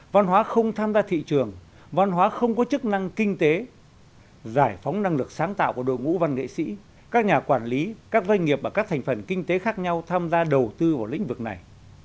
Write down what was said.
văn hóa không tham gia thị trường văn hóa không có chức năng kinh tế giải phóng năng lực sáng tạo của đội ngũ văn nghệ sĩ các nhà quản lý các doanh nghiệp và các thành phần kinh tế khác nhau tham gia đầu tư vào lĩnh vực này